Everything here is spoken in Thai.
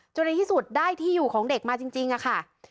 ในที่สุดได้ที่อยู่ของเด็กมาจริงค่ะ